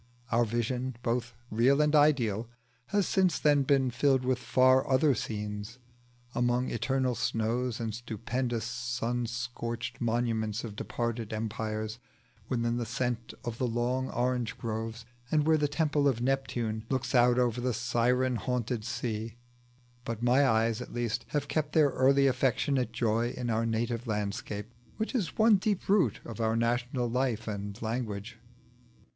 Our vision, both real and ideal, has since then been filled with far other scenes: among eternal snows and stupendous sun scorched monuments of departed empires; within the scent of the long orange groves; and where the temple of Neptune looks out over the siren haunted sea. But my eyes at least have kept their early affectionate joy in our native landscape, which is one deep root of our national life and language.